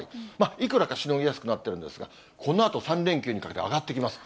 いくらかしのぎやすくなってるんですが、このあと３連休にかけて、上がっていきます。